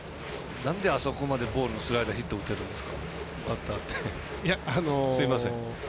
なんで、あそこまでボールのスライダーヒット打てるんですか？